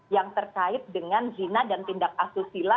yang terkait dengan zina dan tindak asusila